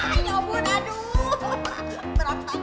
ayolah mudir ya mun